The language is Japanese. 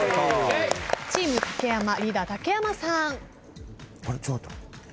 チーム竹山リーダー竹山さん。